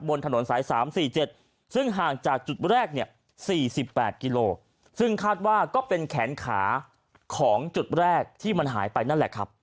บนถนนสาย๓๔๗ซึ่งห่างจากจุดแรกเนี่ย๔๘กิโลซึ่งคาดว่าก็เป็นแขนขาของจุดแรกที่มันหายไปนั่นแหละครับ